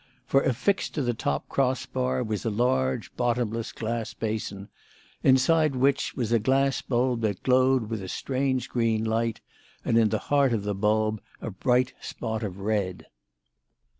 For affixed to the top cross bar was a large, bottomless glass basin, inside which was a glass bulb that glowed with a strange green light; and in the heart of the bulb a bright spot of red.